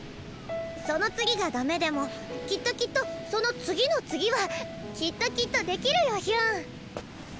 その次がダメでもきっときっとその次の次はきっときっとできるよヒュン！